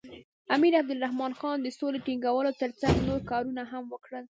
امیر عبدالرحمن خان د سولې ټینګولو تر څنګ نور کارونه هم وکړل.